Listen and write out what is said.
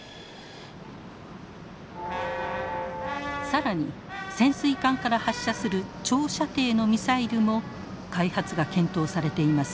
更に潜水艦から発射する長射程のミサイルも開発が検討されています。